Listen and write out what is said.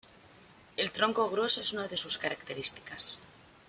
El tronco grueso es una de sus características.